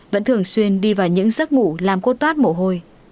vẫn thường xuyên đi vào những giấc ngủ làm cô toát mổ hôi